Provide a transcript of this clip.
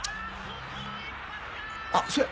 あっそや！